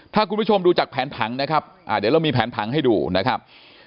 ถ้าคุณผู้ชมดูจากแผนผังนะครับเดี๋ยวเรามีแผนผังให้ดูนะครับ